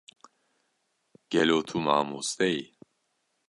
gelo tu mamoste yî?